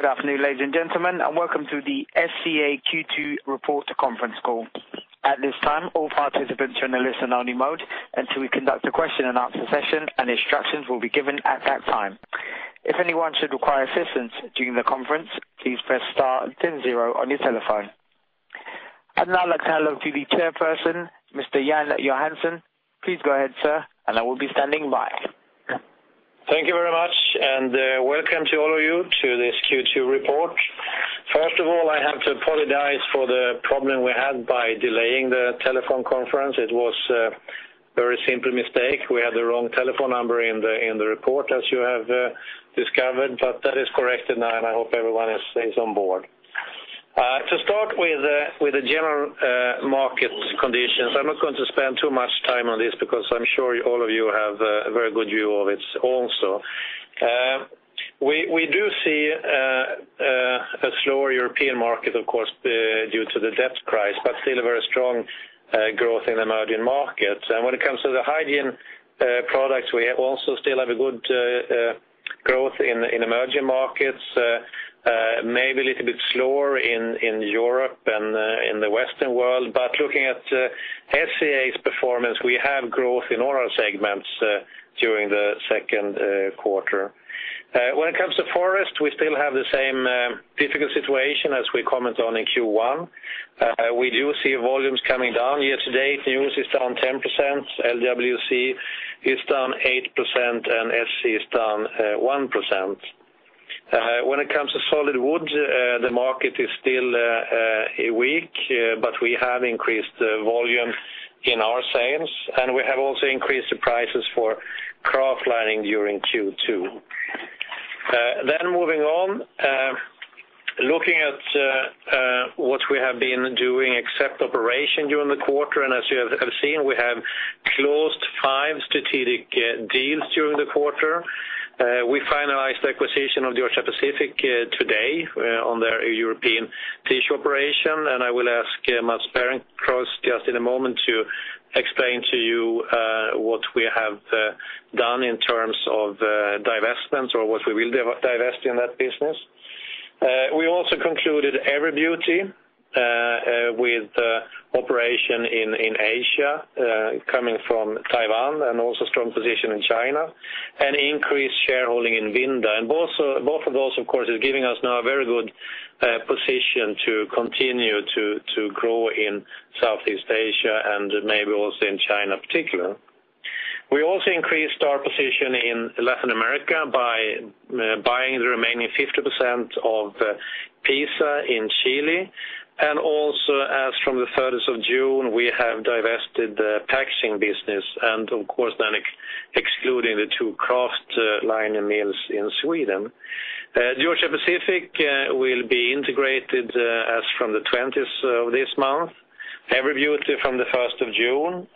Good afternoon, ladies and gentlemen. Welcome to the SCA Q2 report conference call. At this time, all participants are in a listen-only mode until we conduct a question and answer session. Instructions will be given at that time. If anyone should require assistance during the conference, please press star then zero on your telephone. I'd now like to hand over to the chairperson, Mr. Jan Johansson. Please go ahead, sir. I will be standing by. Thank you very much. Welcome to all of you to this Q2 report. First of all, I have to apologize for the problem we had by delaying the telephone conference. It was a very simple mistake. We had the wrong telephone number in the report, as you have discovered. That is corrected now. I hope everyone is on board. To start with the general market conditions, I'm not going to spend too much time on this because I'm sure all of you have a very good view of it also. We do see a slower European market, of course, due to the debt crisis, but still a very strong growth in emerging markets. When it comes to the hygiene products, we also still have a good growth in emerging markets. Maybe a little bit slower in Europe and in the Western world. Looking at SCA's performance, we have growth in all our segments during the second quarter. When it comes to forest, we still have the same difficult situation as we commented on in Q1. We do see volumes coming down. Year-to-date, newsprint is down 10%, LWC is down 8%. SC is down 1%. When it comes to solid wood, the market is still weak. We have increased volume in our sales. We have also increased the prices for kraftliner during Q2. Moving on, looking at what we have been doing except operation during the quarter, as you have seen, we have closed five strategic deals during the quarter. We finalized the acquisition of Georgia-Pacific today on their European tissue operation. I will ask Mats Berencreutz just in a moment to explain to you what we have done in terms of divestments or what we will divest in that business. We also concluded Everbeauty with operation in Asia, coming from Taiwan. Also a strong position in China. Increased shareholding in Vinda. Both of those, of course, is giving us now a very good position to continue to grow in Southeast Asia and maybe also in China in particular. We also increased our position in Latin America by buying the remaining 50% of PISA in Chile. Also as from the 30th of June, we have divested the packaging business and, of course, then excluding the two kraftliner mills in Sweden. Georgia-Pacific will be integrated as from the 20th of this month, Everbeauty from the 1st of June,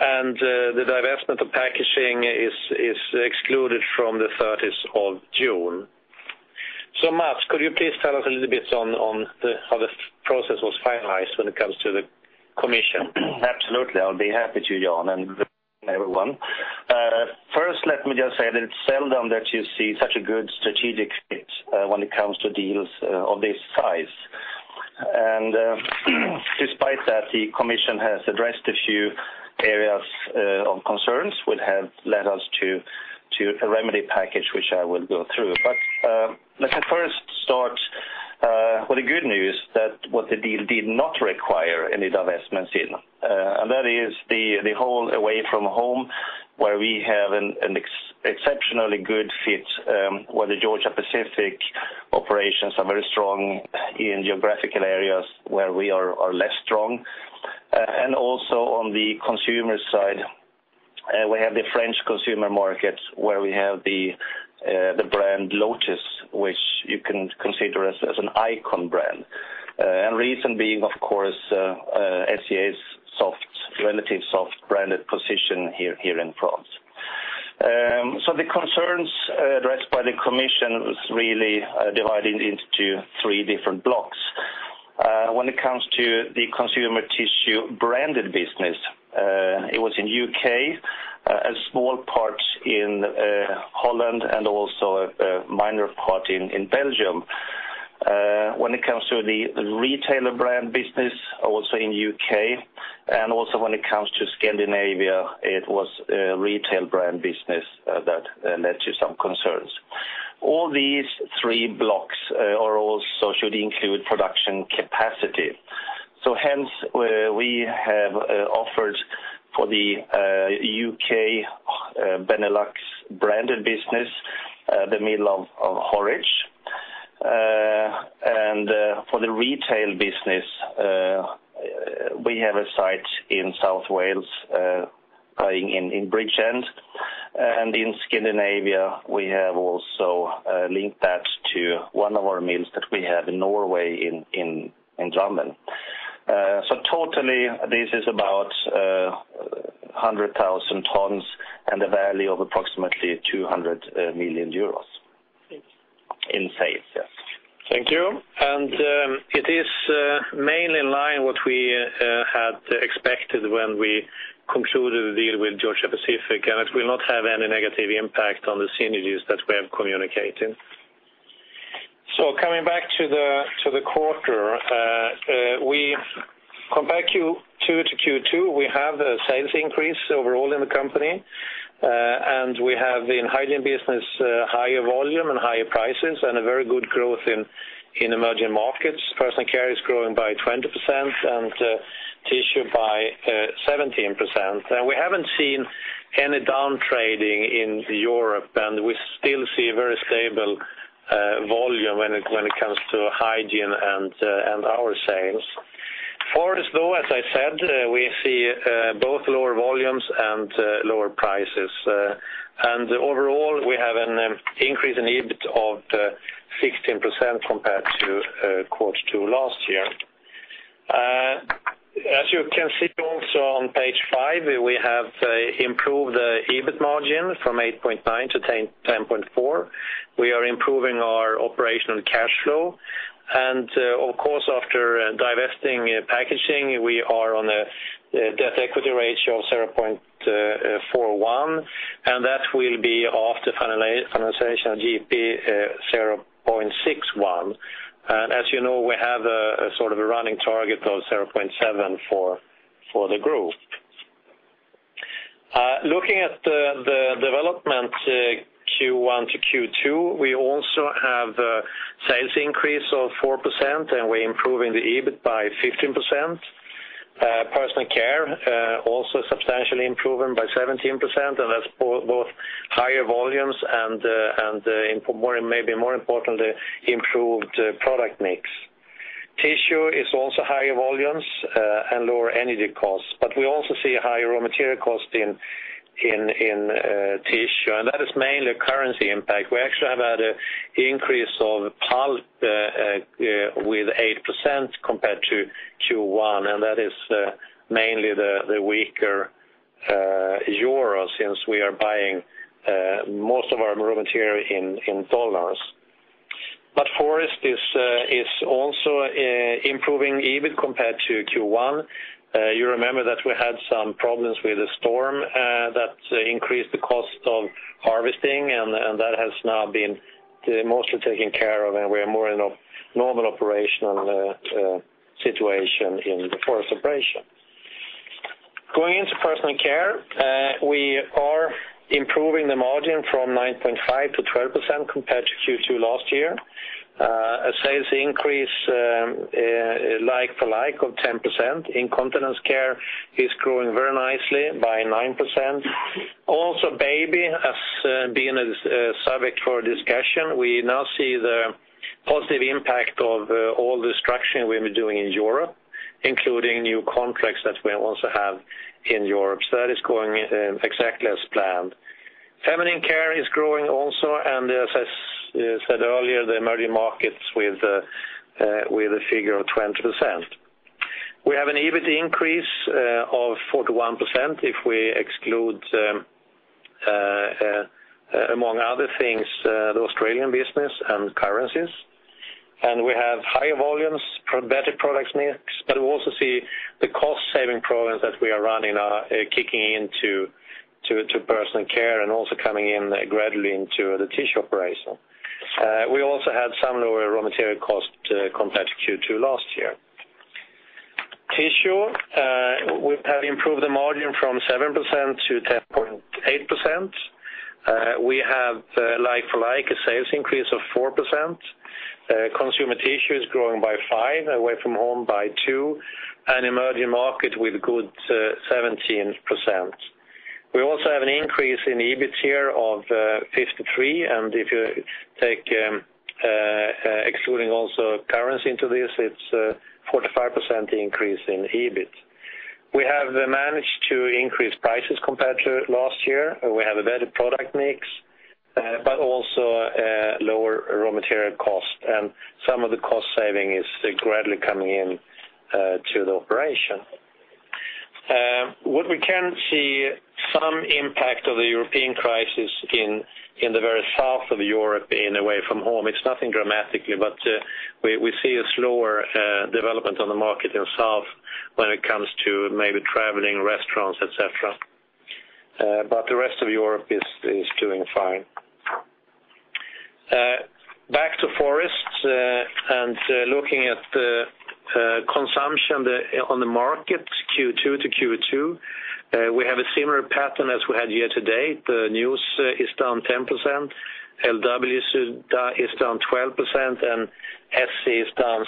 and the divestment of packaging is excluded from the 30th of June. Mats, could you please tell us a little bit on how the process was finalized when it comes to the Commission? Absolutely. I'll be happy to, Jan, and everyone. First, let me just say that it's seldom that you see such a good strategic fit when it comes to deals of this size. Despite that, the Commission has addressed a few areas of concerns, which have led us to a remedy package, which I'll go through. Let me first start with the good newsprint that what the deal did not require any divestments in. That is the whole away-from-home, where we have an exceptionally good fit, where the Georgia-Pacific operations are very strong in geographical areas where we are less strong. Also on the consumer side, we have the French consumer market, where we have the brand Lotus, which you can consider as an icon brand. The reason being, of course, SCA's relative soft branded position here in France. The concerns addressed by the Commission was really divided into three different blocks. When it comes to the consumer tissue branded business, it was in U.K., a small part in Holland, and also a minor part in Belgium. When it comes to the retailer brand business, also in U.K., and also when it comes to Scandinavia, it was a retail brand business that led to some concerns. All these three blocks also should include production capacity. Hence, we have offered for the U.K., Benelux branded business, the mill of Horwich. For the retail business, we have a site in South Wales in Bridgend, and in Scandinavia, we have also linked that to one of our mills that we have in Norway in Drammen. Totally, this is about 100,000 tons and a value of approximately 200 million euros. In sales. Thank you. It is mainly in line what we had expected when we concluded the deal with Georgia-Pacific, and it will not have any negative impact on the synergies that we have communicated. Coming back to the quarter, compared Q2 to Q2, we have a sales increase overall in the company, and we have in hygiene business, higher volume and higher prices, and a very good growth in emerging markets. Personal care is growing by 20% and tissue by 17%. We haven't seen any down trading in Europe, and we still see very stable volume when it comes to hygiene and our sales. Forest, though, as I said, we see both lower volumes and lower prices. Overall, we have an increase in EBIT of 16% compared to Q2 last year. As you can see also on page five, we have improved the EBIT margin from 8.9% to 10.4%. We are improving our operational cash flow. Of course, after divesting packaging, we are on a debt-to-equity ratio of 0.41, and that will be after finalization of Georgia-Pacific, 0.61. As you know, we have a running target of 0.7 for the group. Looking at the development Q1 to Q2, we also have a sales increase of 4%, and we are improving the EBIT by 15%. Personal care also substantially improving by 17%, and that is both higher volumes and maybe more importantly, improved product mix. Tissue is also higher volumes and lower energy costs. We also see higher raw material cost in tissue, and that is mainly currency impact. We actually have had an increase of pulp with 8% compared to Q1. That is mainly the weaker EUR since we are buying most of our raw material in USD. Forest is also improving EBIT compared to Q1. You remember that we had some problems with the storm that increased the cost of harvesting. That has now been mostly taken care of, and we are more in a normal operational situation in the forest operation. Going into personal care, we are improving the margin from 9.5% to 12% compared to Q2 last year. A sales increase like-for-like of 10%. Incontinence care is growing very nicely by 9%. Also baby, as being a subject for discussion, we now see the positive impact of all the structuring we have been doing in Europe, including new contracts that we also have in Europe. That is going exactly as planned. Feminine care is growing also. As I said earlier, the emerging markets with a figure of 20%. We have an EBIT increase of 41% if we exclude, among other things, the Australian business and currencies. We have higher volumes from better products mix. We also see the cost-saving programs that we are running are kicking into personal care and also coming in gradually into the tissue operation. We also had some lower raw material cost compared to Q2 last year. Tissue, we have improved the margin from 7% to 10.8%. We have like-for-like a sales increase of 4%. Consumer tissue is growing by 5%, away-from-home by 2%, and emerging market with good 17%. We also have an increase in EBIT here of 53%. If you take excluding also currency into this, it is 45% increase in EBIT. We have managed to increase prices compared to last year. We have a better product mix. Also a lower raw material cost. Some of the cost saving is gradually coming in to the operation. What we can see some impact of the European crisis in the very south of Europe, being away-from-home. It is nothing dramatically. We see a slower development on the market itself when it comes to maybe traveling, restaurants, et cetera. The rest of Europe is doing fine. Back to Forest, looking at the consumption on the market Q2 to Q2, we have a similar pattern as we had year-to-date. News is down 10%, LWC is down 12%, and SC is down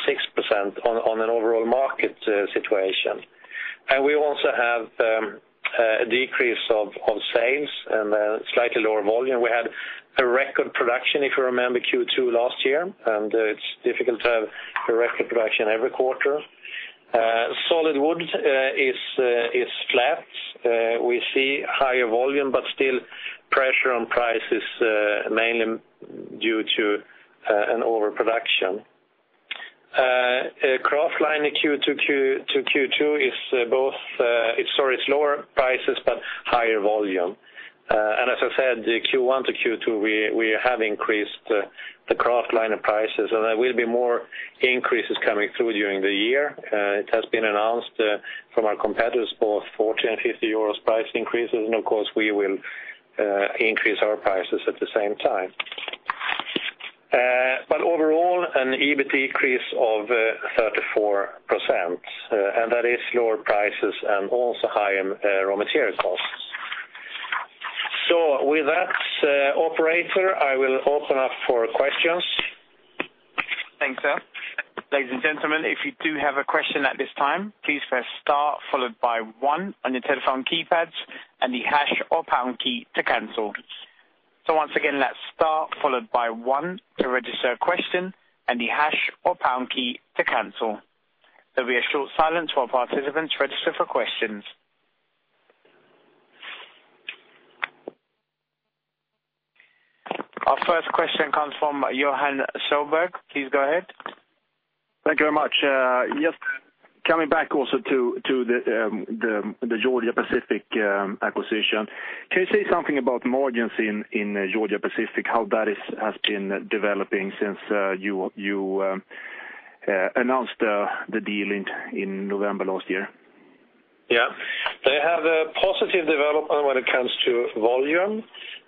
6% on an overall market situation. We also have a decrease of sales and a slightly lower volume. We had a record production, if you remember Q2 last year, and it's difficult to have a record production every quarter. Solid wood is flat. We see higher volume, but still pressure on prices mainly due to an overproduction. kraftliner in Q2 to Q2 is lower prices, but higher volume. As I said, Q1 to Q2, we have increased the kraftliner prices, and there will be more increases coming through during the year. It has been announced from our competitors, both 40 and 50 euros price increases, and of course we will increase our prices at the same time. Overall, an EBIT increase of 34%, and that is lower prices and also higher raw material costs. With that, operator, I will open up for questions. Thanks, sir. Ladies and gentlemen, if you do have a question at this time, please press star followed by one on your telephone keypads and the hash or pound key to cancel. Once again, that's star followed by one to register a question and the hash or pound key to cancel. There'll be a short silence while participants register for questions. Our first question comes from Johan Söderberg. Please go ahead. Thank you very much. Just coming back also to the Georgia-Pacific acquisition. Can you say something about margins in Georgia-Pacific, how that has been developing since you announced the deal in November last year? Yeah. They have a positive development when it comes to volume.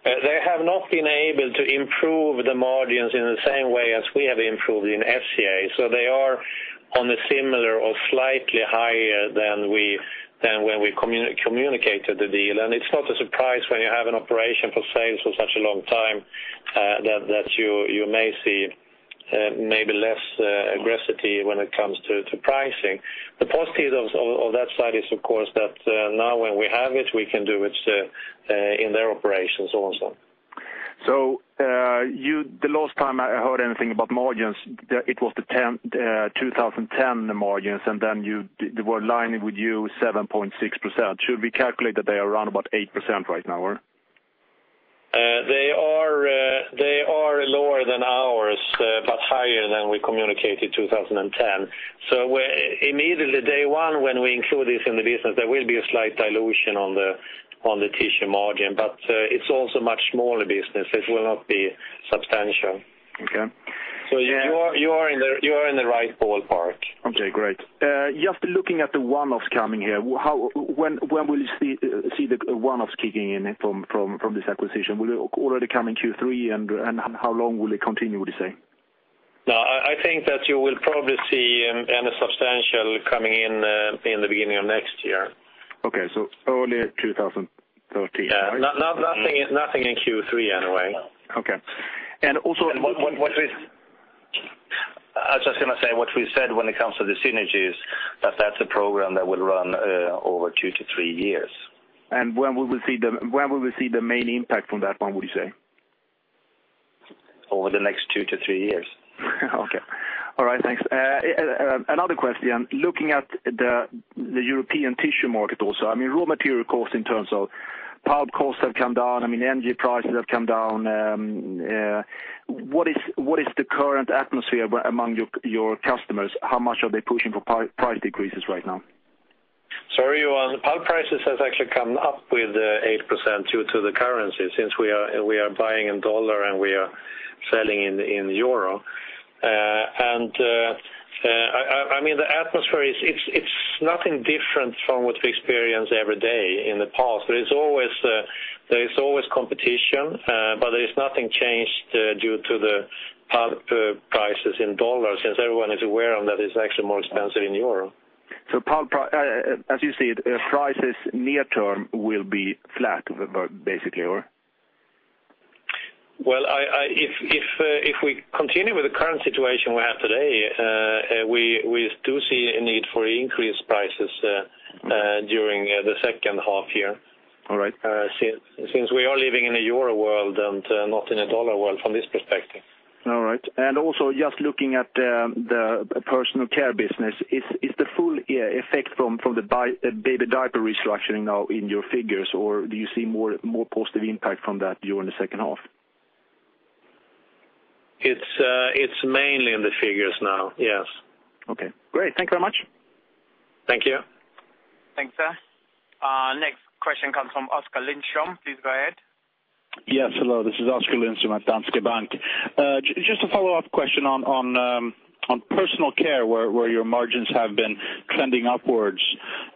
They have not been able to improve the margins in the same way as we have improved in SCA. They are on a similar or slightly higher than when we communicated the deal, and it's not a surprise when you have an operation for sales for such a long time, that you may see maybe less aggressivity when it comes to pricing. The positive of that side is, of course, that now when we have it, we can do it in their operations also. The last time I heard anything about margins, it was the 2010 margins, and then they were lining with you 7.6%. Should we calculate that they are around about 8% right now? They are lower than ours, higher than we communicated 2010. Immediately day one when we include this in the business, there will be a slight dilution on the tissue margin. It's also much smaller business. It will not be substantial. Okay. You are in the right ballpark. Okay, great. Just looking at the one-offs coming here, when will you see the one-offs kicking in from this acquisition? Will it already come in Q3, and how long will it continue, would you say? No, I think that you will probably see a substantial coming in the beginning of next year. Okay, early 2013, right? Yeah. Nothing in Q3 anyway. Okay. Also. I was just going to say, what we said when it comes to the synergies, that's a program that will run over two to three years. When will we see the main impact from that one, would you say? Over the next two to three years. Okay. All right, thanks. Another question. Looking at the European tissue market also, raw material costs in terms of pulp costs have come down, energy prices have come down. What is the current atmosphere among your customers? How much are they pushing for price decreases right now? Sorry, Johan, pulp prices has actually come up with 8% due to the currency since we are buying in USD and we are selling in EUR. The atmosphere, it's nothing different from what we've experienced every day in the past. There is always competition, but there is nothing changed due to the pulp prices in USD, since everyone is aware of that it's actually more expensive in EUR. Pulp, as you see it, prices near term will be flat, basically, or? Well, if we continue with the current situation we have today, we do see a need for increased prices during the second half year. All right. Since we are living in a euro world and not in a dollar world from this perspective. All right. Also just looking at the personal care business, is the full effect from the baby diaper restructuring now in your figures, or do you see more positive impact from that during the second half? It's mainly in the figures now, yes. Okay, great. Thank you very much. Thank you. Thanks, sir. Next question comes from Oskar Lindström. Please go ahead. Yes, hello, this is Oskar Lindström at Danske Bank. Just a follow-up question on personal care, where your margins have been trending upwards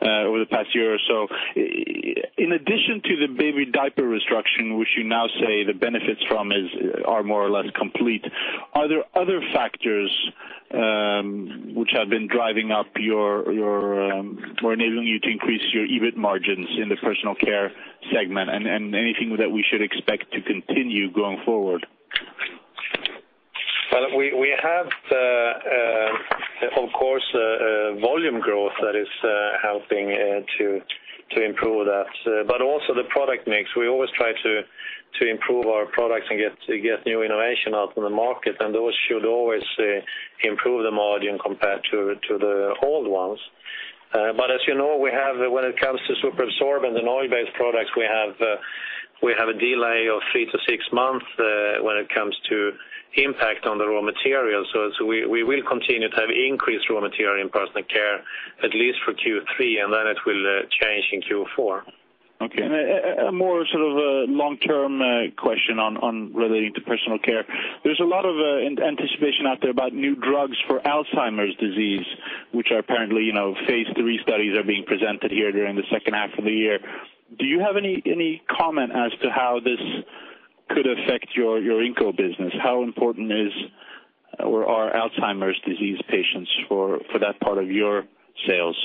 over the past year or so. In addition to the baby diaper restructuring, which you now say the benefits from are more or less complete, are there other factors which are enabling you to increase your EBIT margins in the personal care segment, and anything that we should expect to continue going forward? Well, we have, of course, volume growth that is helping to improve that. Also the product mix. We always try to improve our products and get new innovation out in the market, and those should always improve the margin compared to the old ones But as you know, when it comes to superabsorbent and oil-based products, we have a delay of three to six months when it comes to impact on the raw materials. We will continue to have increased raw material in personal care, at least for Q3, and then it will change in Q4. Okay. A more sort of long-term question relating to personal care. There's a lot of anticipation out there about new drugs for Alzheimer's disease, which are apparently phase III studies are being presented here during the second half of the year. Do you have any comment as to how this could affect your incontinence business? How important are Alzheimer's disease patients for that part of your sales?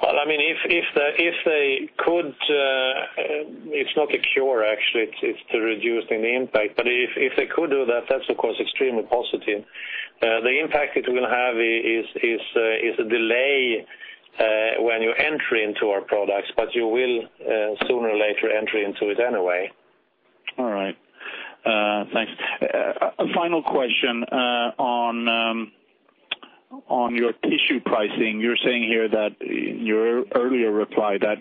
Well, it's not a cure, actually, it's to reduce any impact. If they could do that's of course extremely positive. The impact it will have is a delay when you enter into our products, but you will sooner or later enter into it anyway. All right. Thanks. A final question on your tissue pricing. You're saying here in your earlier reply that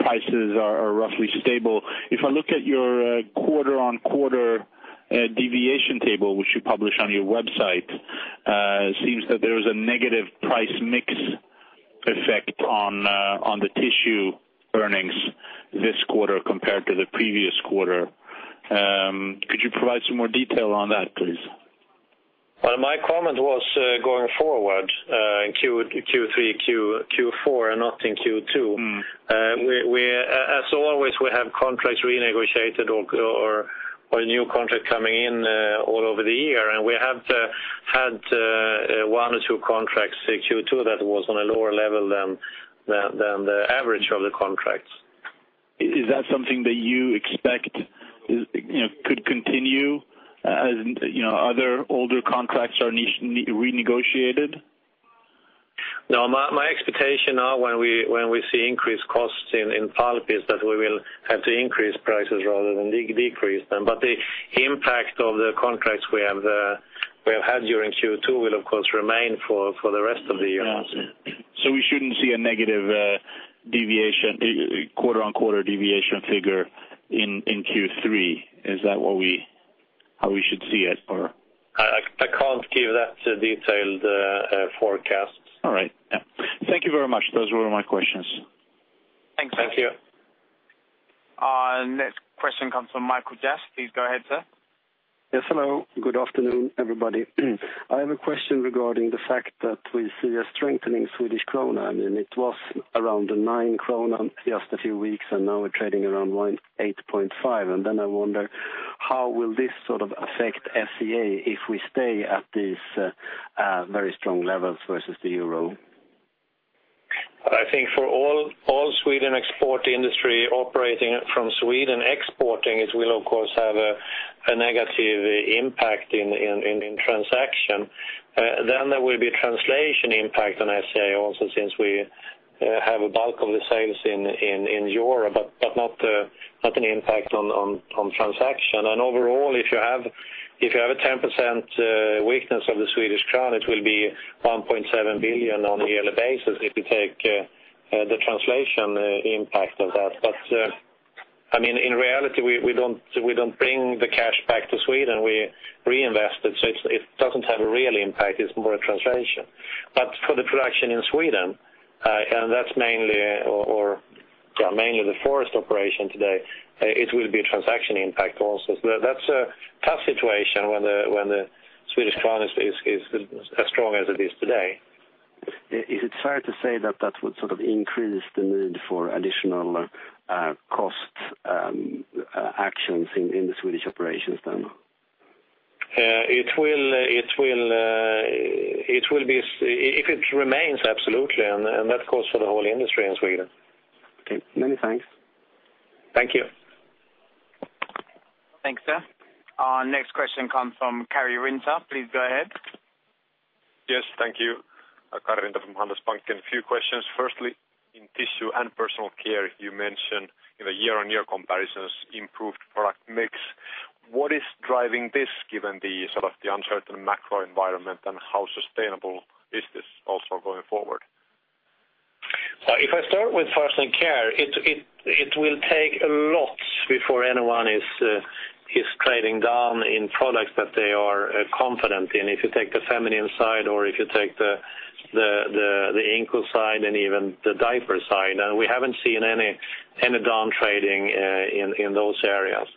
prices are roughly stable. If I look at your quarter-over-quarter deviation table, which you publish on your website, it seems that there is a negative price mix effect on the tissue earnings this quarter compared to the previous quarter. Could you provide some more detail on that, please? Well, my comment was going forward, in Q3, Q4, and not in Q2. As always, we have contracts renegotiated or a new contract coming in all over the year, and we have had one or two contracts Q2 that was on a lower level than the average of the contracts. Is that something that you expect could continue as other older contracts are renegotiated? No, my expectation now when we see increased costs in pulp is that we will have to increase prices rather than decrease them. The impact of the contracts we have had during Q2 will of course remain for the rest of the year also. We shouldn't see a negative quarter-on-quarter deviation figure in Q3. Is that how we should see it? I can't give that detailed forecast. All right. Thank you very much. Those were my questions. Thanks. Thank you. Our next question comes from Michael Jass. Please go ahead, sir. Yes, hello. Good afternoon, everybody. I have a question regarding the fact that we see a strengthening SEK. It was around 9 krona just a few weeks, now we're trading around 8.5. Then I wonder, how will this sort of affect SCA if we stay at these very strong levels versus the EUR? I think for all Sweden export industry operating from Sweden exporting, it will of course have a negative impact in transaction. There will be translation impact on SCA also since we have a bulk of the sales in EUR, but not an impact on transaction. Overall, if you have a 10% weakness of the SEK, it will be 1.7 billion on a yearly basis if you take the translation impact of that. In reality, we don't bring the cash back to Sweden. We reinvest it, so it doesn't have a real impact. It's more a translation. For the production in Sweden, and that's mainly the forest operation today, it will be a transaction impact also. That's a tough situation when the SEK is as strong as it is today. Is it fair to say that that would sort of increase the need for additional cost actions in the Swedish operations then? If it remains, absolutely, and that goes for the whole industry in Sweden. Okay. Many thanks. Thank you. Thanks, sir. Our next question comes from Karri Rinta. Please go ahead. Yes, thank you. Karri Rinta from Handelsbanken. A few questions. Firstly, in tissue and personal care, you mentioned in the year-on-year comparisons, improved product mix. What is driving this given the sort of the uncertain macro environment, and how sustainable is this also going forward? If I start with personal care, it will take a lot before anyone is trading down in products that they are confident in. If you take the feminine side or if you take the incontinence side and even the diaper side, we haven't seen any downtrading in those areas.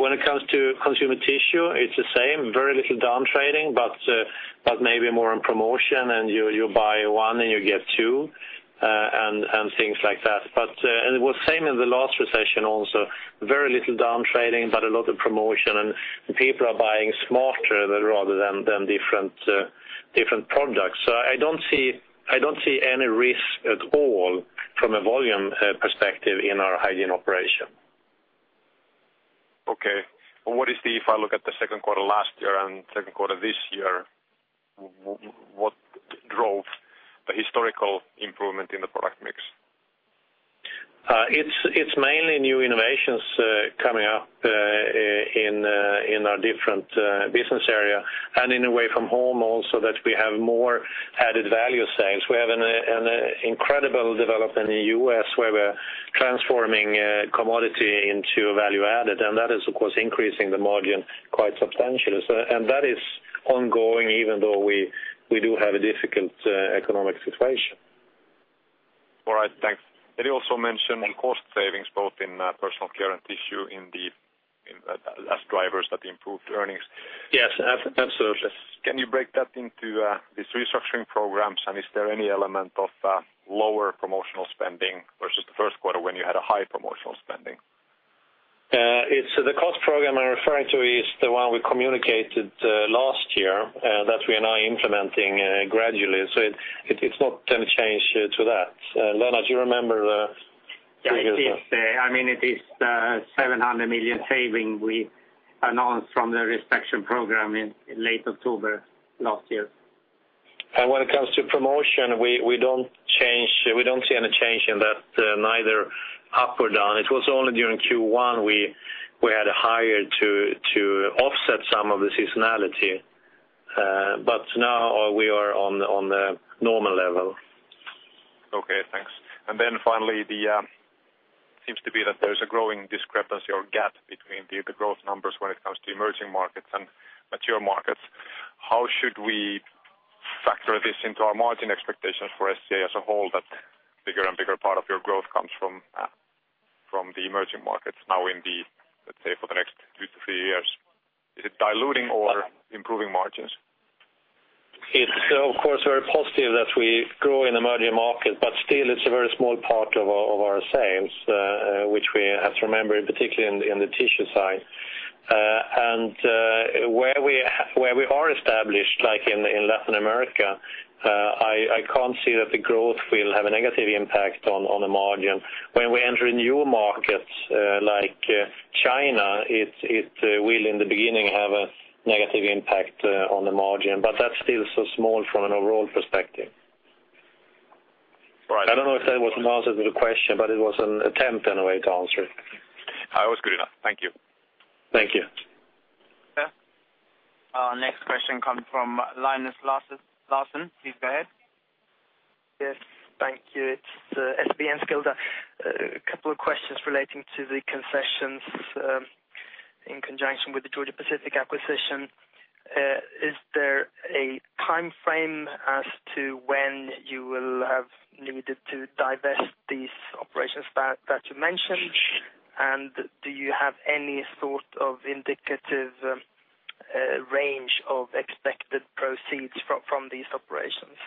When it comes to consumer tissue, it's the same. Very little downtrading, but maybe more on promotion, and you buy one and you get two, and things like that. It was same in the last recession also. Very little downtrading, but a lot of promotion, and people are buying smarter rather than different products. I don't see any risk at all from a volume perspective in our hygiene operation. Okay. What if I look at the second quarter last year and second quarter this year, what drove the historical improvement in the product mix? It's mainly new innovations coming up in our different business area, in away-from-home also that we have more added value sales. We have an incredible development in the U.S. where we're transforming a commodity into value added, that is of course increasing the margin quite substantially. That is ongoing even though we do have a difficult economic situation. All right, thanks. You also mentioned cost savings both in personal care and tissue as drivers that improved earnings. Yes, absolutely. Can you break that into these restructuring programs, is there any element of lower promotional spending versus the first quarter when you had a high promotional spending? The cost program I'm referring to is the one we communicated last year, that we are now implementing gradually. It's not any change to that. Lennart, do you remember the figures? Yes. It is 700 million saving we announced from the restructuring program in late October last year. When it comes to promotion, we don't see any change in that, neither up or down. It was only during Q1 we had a higher to offset some of the seasonality. Now we are on the normal level. Okay, thanks. Then finally, seems to be that there's a growing discrepancy or gap between the growth numbers when it comes to emerging markets and mature markets. How should we factor this into our margin expectations for SCA as a whole, that bigger and bigger part of your growth comes from the emerging markets now in the, let's say, for the next two to three years? Is it diluting or improving margins? It's of course, very positive that we grow in emerging markets, but still it's a very small part of our sales, which we have to remember, particularly in the tissue side. Where we are established, like in Latin America, I can't see that the growth will have a negative impact on the margin. When we enter new markets like China, it will, in the beginning, have a negative impact on the margin. That's still so small from an overall perspective. Right. I don't know if that was an answer to the question, but it was an attempt, in a way, to answer it. It was good enough. Thank you. Thank you. Our next question comes from Linus Larsson. Please go ahead. Yes. Thank you. It's SEB Enskilda. A couple of questions relating to the concessions in conjunction with the Georgia-Pacific acquisition. Is there a timeframe as to when you will have limited to divest these operations that you mentioned? Do you have any sort of indicative range of expected proceeds from these operations?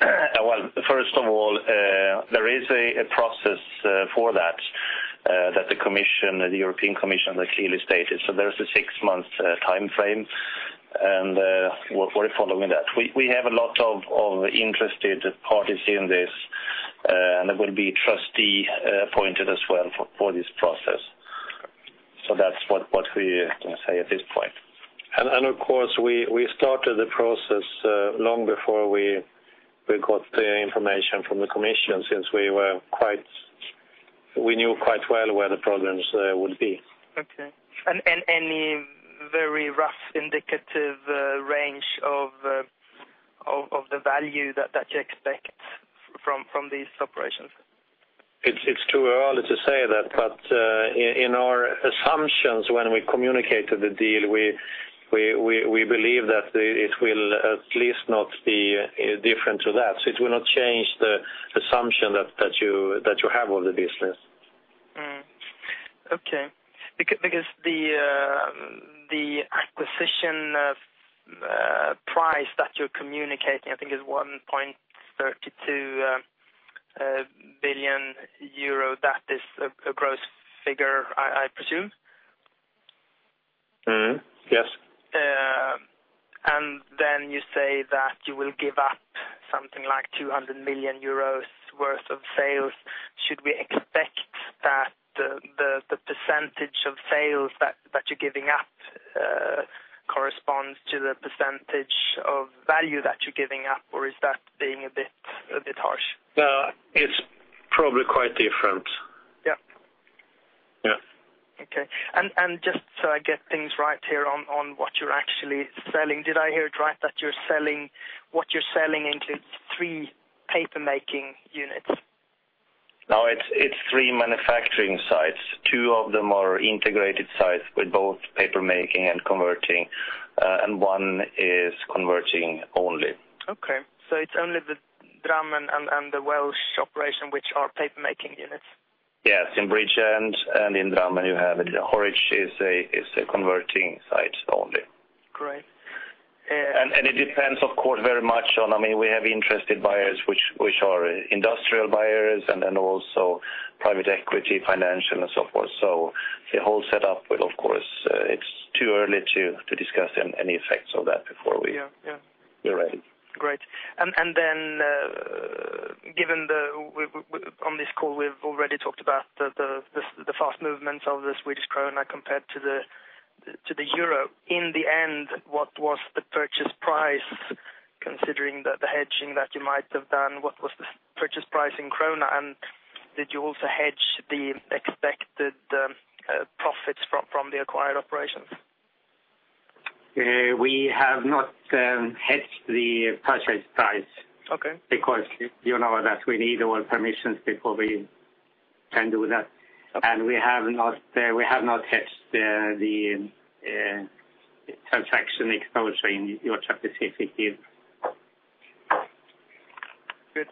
Well, first of all, there is a process for that the European Commission has clearly stated. There is a six-month timeframe, and we're following that. We have a lot of interested parties in this, and there will be trustee appointed as well for this process. That's what we can say at this point. Of course, we started the process long before we got the information from the commission, since we knew quite well where the problems would be. Okay. Any very rough indicative range of the value that you expect from these operations? It is too early to say that, in our assumptions when we communicated the deal, we believe that it will at least not be different to that. It will not change the assumption that you have of the business. Okay. The acquisition price that you are communicating, I think is 1.32 billion euro. That is a gross figure, I presume? Yes. You say that you will give up something like 200 million euros worth of sales. Should we expect that the percentage of sales that you are giving up corresponds to the percentage of value that you are giving up, or is that being a bit harsh? It is probably quite different. Yep. Yeah. Okay. Just so I get things right here on what you're actually selling. Did I hear it right that what you're selling includes three paper-making units? No, it's three manufacturing sites. Two of them are integrated sites with both paper-making and converting, and one is converting only. Okay. It's only the Drammen and the Welsh operation which are paper-making units? Yes. In Bridgend and in Drammen you have it. Horwich is a converting site only. Great. It depends, of course, very much on. We have interested buyers which are industrial buyers and then also private equity, financial, and so forth. The whole setup will of course, it's too early to discuss any effects of that before we- Yeah. We're ready. Great. Given on this call we've already talked about the fast movements of the Swedish krona compared to the EUR. In the end, what was the purchase price, considering the hedging that you might have done? What was the purchase price in SEK, and did you also hedge the expected profits from the acquired operations? We have not hedged the purchase price. Okay. You know that we need all permissions before we can do that. Okay. We have not hedged the transaction exposure in Georgia-Pacific deal. Good.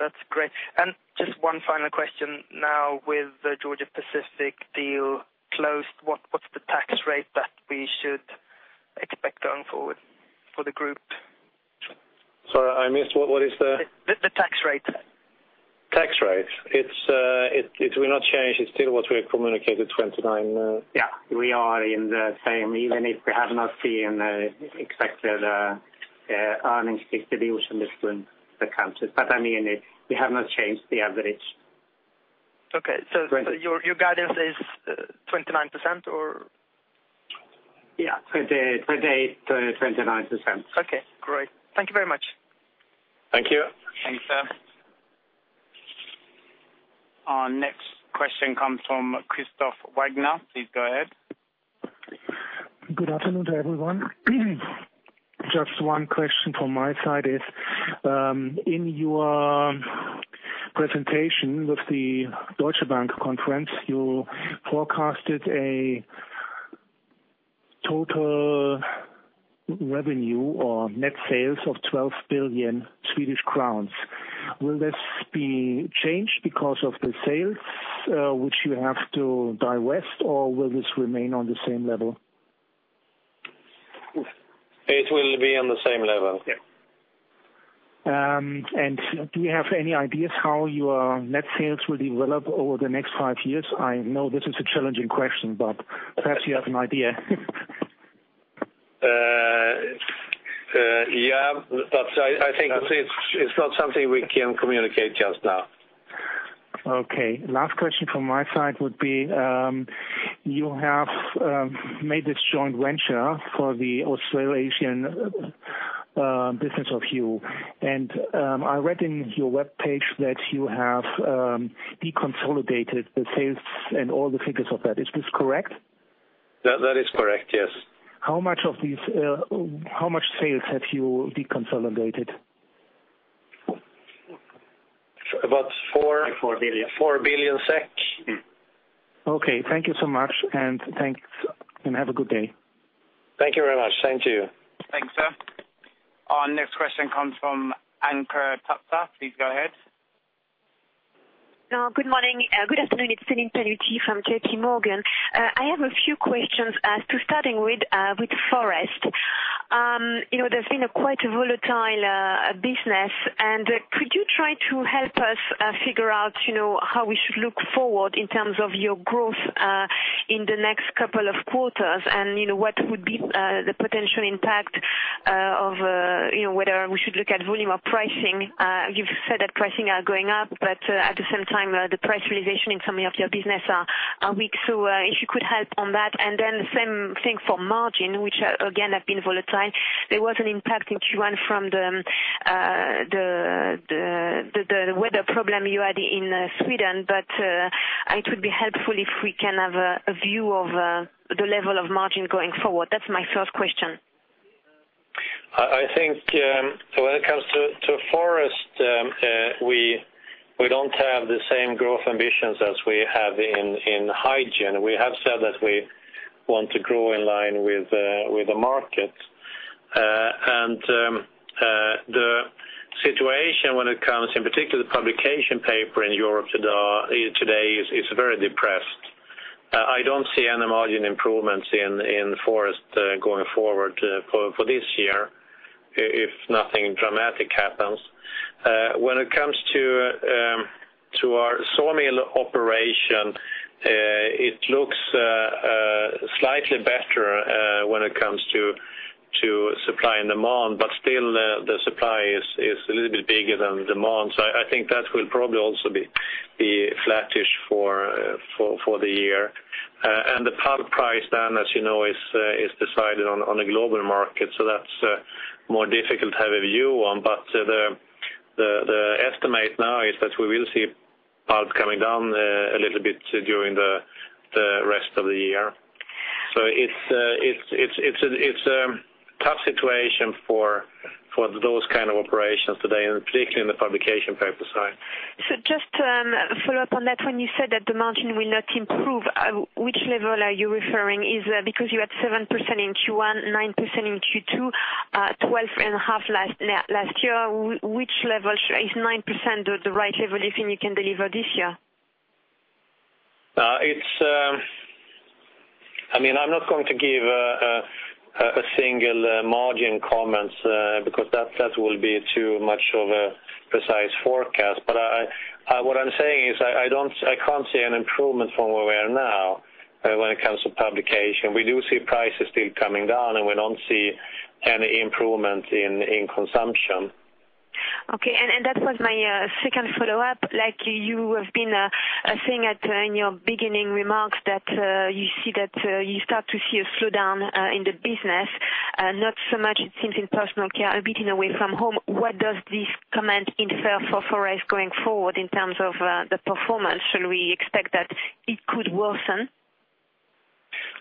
That's great. Just one final question now, with the Georgia-Pacific deal closed, what's the tax rate that we should expect going forward for the group? Sorry, I missed, what is the? The tax rate. Tax rate. It will not change. It's still what we have communicated, 29. Yeah, we are in the same, even if we have not seen expected earnings distribution between the countries. We have not changed the average. Okay. Your guidance is 29% or? Yeah, 28%-29%. Okay, great. Thank you very much. Thank you. Thanks, sir. Our next question comes from Christoph Wagner. Please go ahead. Good afternoon to everyone. Just one question from my side is, in your presentation with the Deutsche Bank conference, you forecasted a total revenue or net sales of 12 billion Swedish crowns. Will this be changed because of the sales, which you have to divest, or will this remain on the same level? It will be on the same level. Yeah. Do you have any ideas how your net sales will develop over the next five years? I know this is a challenging question, but perhaps you have an idea. Yeah, I think it's not something we can communicate just now. Okay. Last question from my side would be, you have made this joint venture for the Australasian business of you. I read in your webpage that you have deconsolidated the sales and all the figures of that. Is this correct? That is correct, yes. How much sales have you deconsolidated? About SEK four. 4 billion SEK. 4 billion SEK. Okay. Thank you so much, and have a good day. Thank you very much. Thank you. Thanks, sir. Our next question comes from Anke Rauterkus. Please go ahead. Good afternoon. It's Celine Pannuti from JPMorgan. I have a few questions as to starting with Forest. There's been a quite a volatile business. Could you try to help us figure out how we should look forward in terms of your growth, in the next couple of quarters, and what would be the potential impact of whether we should look at volume or pricing? You've said that pricing are going up, but at the same time, the price realization in some of your business are weak. If you could help on that. Same thing for margin, which again, have been volatile. There was an impact in Q1 from the weather problem you had in Sweden. It would be helpful if we can have a view of the level of margin going forward. That's my first question. I think when it comes to Forest, we don't have the same growth ambitions as we have in hygiene. We have said that we want to grow in line with the market. The situation when it comes, in particular the publication paper in Europe today is very depressed. I don't see any margin improvements in Forest going forward for this year, if nothing dramatic happens. When it comes to our sawmill operation, it looks slightly better when it comes to supply and demand. Still, the supply is a little bit bigger than demand. I think that will probably also be flattish for the year. The pulp price then, as you know, is decided on a global market, so that's more difficult to have a view on. The estimate now is that we will see pulp coming down a little bit during the rest of the year. It's a tough situation for those kind of operations today, and particularly in the publication paper side. Just to follow up on that. When you said that the margin will not improve, which level are you referring? Because you had 7% in Q1, 9% in Q2, 12.5 last year. Which level? Is 9% the right level you think you can deliver this year? I'm not going to give a single margin comments, because that will be too much of a precise forecast. What I'm saying is I can't see an improvement from where we are now, when it comes to publication. We do see prices still coming down, and we don't see any improvement in consumption. Okay. That was my second follow-up. You have been saying in your beginning remarks that you start to see a slowdown in the business, not so much it seems in personal care, a bit in away-from-home. What does this comment infer for Forest going forward in terms of the performance? Should we expect that it could worsen?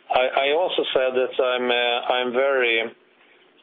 I also said that I'm very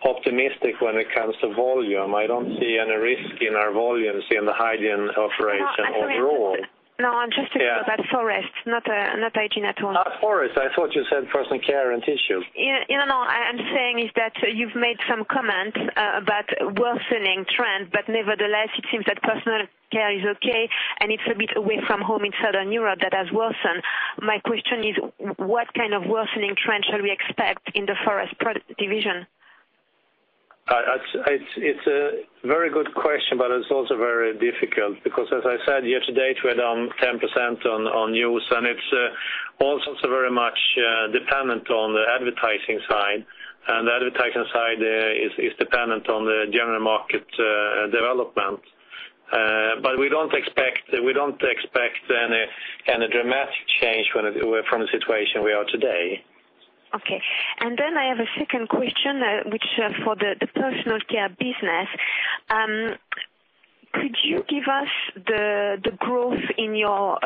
optimistic when it comes to volume. I don't see any risk in our volumes in the hygiene operation overall. I'm interested about Forest, not Hygiene at all. I thought you said Personal Care and Tissue. I'm saying is that you've made some comments about worsening trend, but nevertheless, it seems that Personal Care is okay, and it's a bit away-from-home in Southern Europe that has worsened. My question is what kind of worsening trend should we expect in the Forest division? It's a very good question, it's also very difficult because as I said, year-to-date, we're down 10% on use, and it's also very much dependent on the advertising side. The advertising side is dependent on the general market development. We don't expect any dramatic change from the situation we are today. Okay. Then I have a second question, which for the personal care business, could you give us the growth in your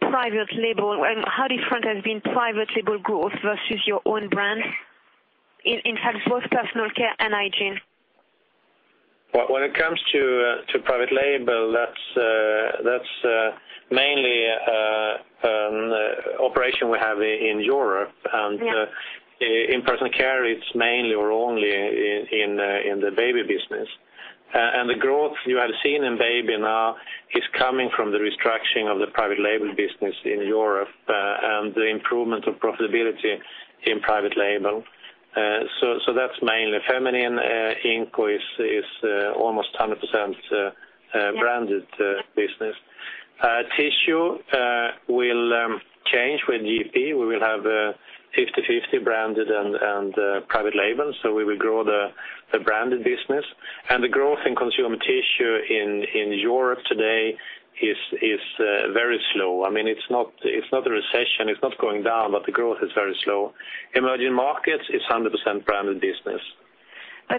private label? How different has been private label growth versus your own brand, in fact, both personal care and hygiene? When it comes to private label, that's mainly an operation we have in Europe. Yeah. In personal care, it's mainly or only in the baby business. The growth you have seen in baby now is coming from the restructuring of the private label business in Europe, and the improvement of profitability in private label. That's mainly feminine increase is almost 100% branded business. Tissue will change with GP. We will have 50/50 branded and private label, so we will grow the branded business. The growth in consumer tissue in Europe today is very slow. It's not a recession, it's not going down, but the growth is very slow. Emerging markets is 100% branded business.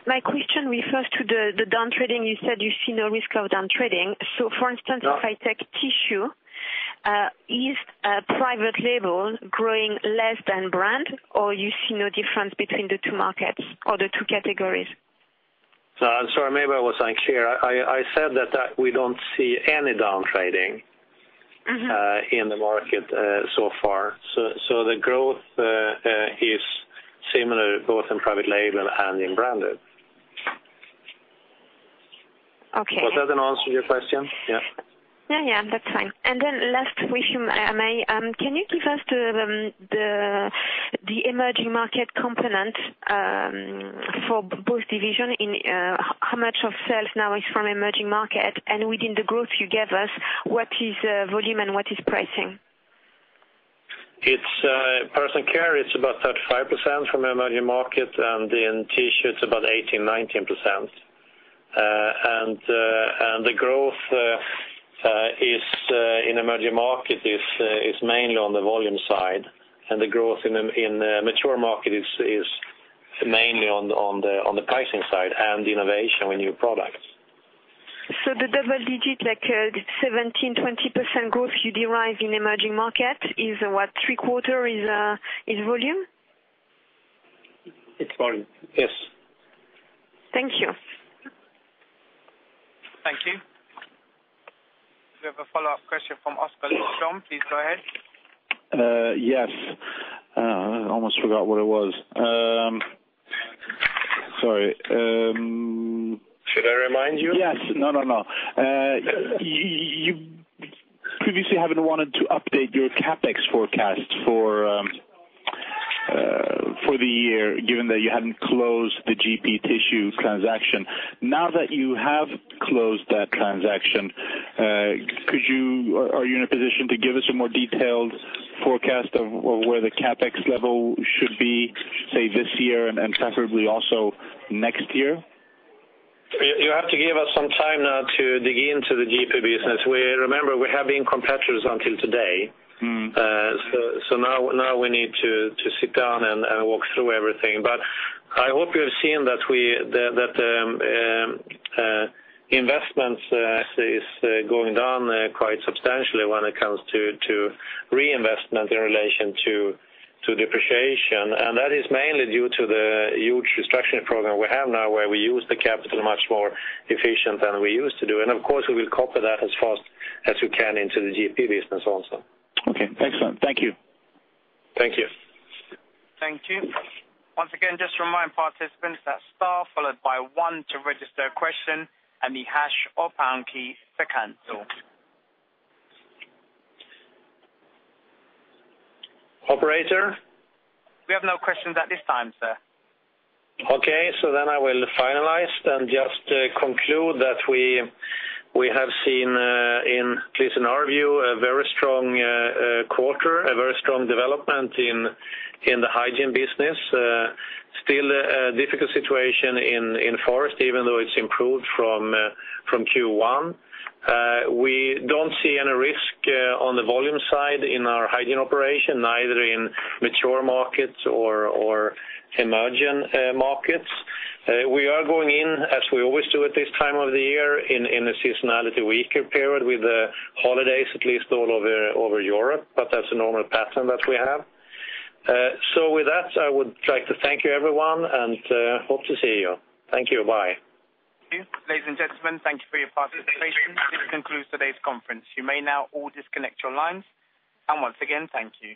My question refers to the downtrading. You said you see no risk of downtrading. For instance, if I take tissue, is private label growing less than brand, or you see no difference between the two markets or the two categories? I'm sorry, maybe I was unclear. I said that we don't see any downtrading in the market so far. The growth is similar, both in private label and in branded. Okay. Does that answer your question? Yeah. Yeah. That's fine. Last question, can you give us the emerging market component for both division, in how much of sales now is from emerging market? Within the growth you gave us, what is volume and what is pricing? Personal care, it's about 35% from emerging market, and in tissue it's about 18%-19%. The growth in emerging market is mainly on the volume side, and the growth in mature market is mainly on the pricing side and innovation with new products. The double digit, like 17%, 20% growth you derive in emerging market is what? Three quarter is volume? It's volume, yes. Thank you. Thank you. We have a follow-up question from Oskar Lindström. Please go ahead. Yes. I almost forgot what it was. Sorry. Should I remind you? Yes. No. You previously haven't wanted to update your CapEx forecast for the year, given that you hadn't closed the GP tissue transaction. Now that you have closed that transaction, are you in a position to give us a more detailed forecast of where the CapEx level should be, say, this year and preferably also next year? You have to give us some time now to dig into the GP business, where remember, we have been competitors until today. Now we need to sit down and walk through everything. I hope you have seen that investments is going down quite substantially when it comes to reinvestment in relation to depreciation. That is mainly due to the huge restructuring program we have now where we use the capital much more efficient than we used to do. Of course, we will copy that as fast as we can into the GP business also. Okay. Excellent. Thank you. Thank you. Thank you. Once again, just to remind participants, that star followed by one to register a question and the hash or pound key to cancel. Operator? We have no questions at this time, sir. I will finalize and just conclude that we have seen, at least in our view, a very strong quarter, a very strong development in the hygiene business. Still a difficult situation in Forest, even though it's improved from Q1. We don't see any risk on the volume side in our hygiene operation, neither in mature markets or emerging markets. We are going in, as we always do at this time of the year, in a seasonality weaker period with the holidays, at least all over Europe, but that's a normal pattern that we have. With that, I would like to thank you everyone, and hope to see you. Thank you. Bye. Thank you. Ladies and gentlemen, thank you for your participation. This concludes today's conference. You may now all disconnect your lines. Once again, thank you.